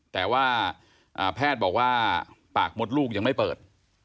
แต่ว่าแพทย์บอกว่าปากมดลูกยังไม่เปิด